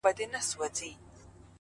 د ژوند كولو د ريښتني انځور ـ